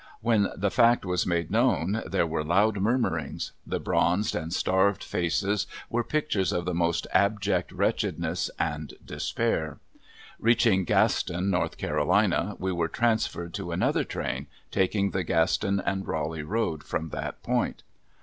When the fact was made known there were loud murmurings. The bronzed and starved faces were pictures of the most abject wretchedness and despair. Reaching Gaston, North Carolina, we were transferred to another train, taking the Gaston and Raleigh road from that point.